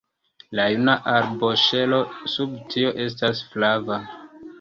La juna arboŝelo sub tio estas flava.